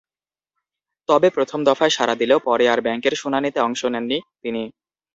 তবে প্রথম দফায় সাড়া দিলেও পরে আর ব্যাংকের শুনানিতে অংশ নেননি তিনি।